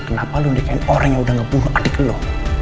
kenapa lo nikahin orang yang udah ngebunuh adik lo